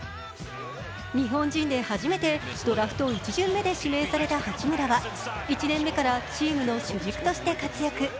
日本人で初めてドラフト１巡目で指名された八村は１年目からチームの主軸として活躍